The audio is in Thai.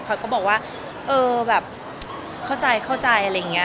พลอยก็บอกว่าเออแบบเข้าใจอะไรอย่างเงี้ย